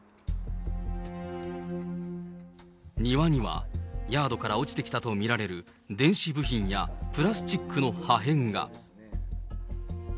庭にはヤードから落ちてきたと見られる電子部品やプラスチックの破片が。